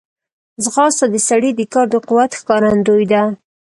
ځغاسته د سړي د کار د قوت ښکارندوی ده